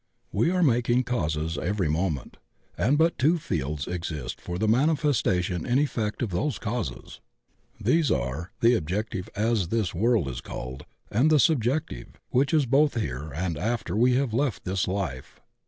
We are making causes every moment, and but two fields exist for the manifestation in effect of those causes. These are, the objective as this world is called, and the subjective which is both here and after we have left this life.